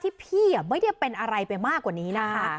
ที่พี่ไม่มีเป็นอะไรไปมากกว่านี้นะ